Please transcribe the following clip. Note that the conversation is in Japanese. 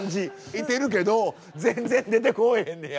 いてるけど全然出てこぉへんねや。